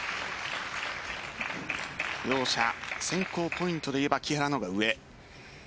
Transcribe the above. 両者、選考ポイントで言えば木原の方が上。